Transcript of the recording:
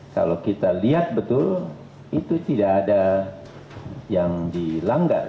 kalau kita lihat betul itu tidak ada yang dilanggar